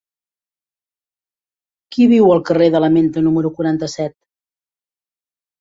Qui viu al carrer de la Menta número quaranta-set?